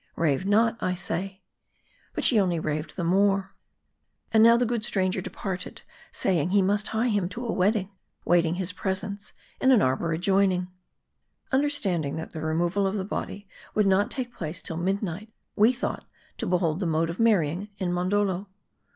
" Rave not, I say.""' But she only raved the more. And now the good stranger departed ; saying, he must hie to a wedding, waiting his presence in an arbor adjoining. ^Understanding that the removal of the body would not take place till midnight, we thought to behold the mode of marrying in Mondoldo.